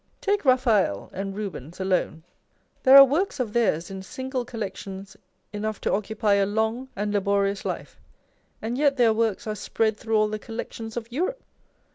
Take Raphael and Rubens alone. There are works of theirs in single collections enough to occupy a long and laborious life, and yet their works are spread through all the collections of Europe.